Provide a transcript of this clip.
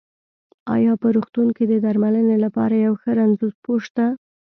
ايا په روغتون کې د درمنلې لپاره يو ښۀ رنځپوۀ شته؟